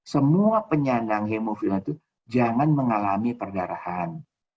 semua penyandang hemofilia itu jangan mengalami perdarahan